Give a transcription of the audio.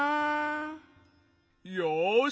よし。